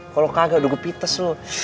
kalo kagak udah gue pites lu